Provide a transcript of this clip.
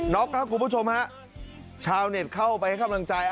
็อกครับคุณผู้ชมฮะชาวเน็ตเข้าไปให้กำลังใจ